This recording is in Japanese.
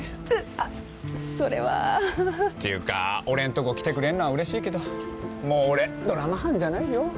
あっそれは。っていうか俺のとこ来てくれるのはうれしいけどもう俺ドラマ班じゃないよ？